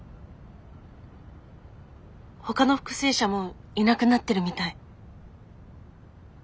ほかの復生者もいなくなってるみたい。